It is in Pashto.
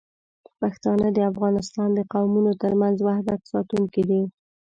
پښتانه د افغانستان د قومونو ترمنځ وحدت ساتونکي دي.